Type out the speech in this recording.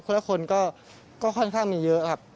ละคนก็ค่อนข้างมีเยอะครับ